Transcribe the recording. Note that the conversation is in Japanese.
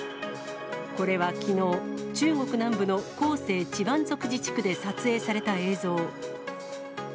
これはきのう、中国南部の広西チワン族自治区で撮影された映像。